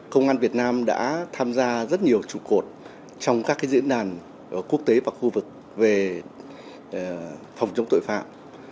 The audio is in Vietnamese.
công an việt nam đã tham gia rất nhiều trụ cột trong các diễn đàn quốc tế và khu vực về phòng chống tội phạm